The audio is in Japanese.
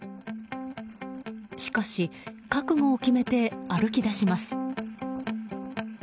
しかし、覚悟を決めて歩き出します。